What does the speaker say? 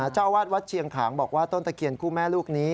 เจ้าอาวาสวัดเชียงขางบอกว่าต้นตะเคียนคู่แม่ลูกนี้